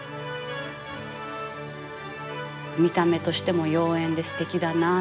見た目としても妖艶ですてきだな。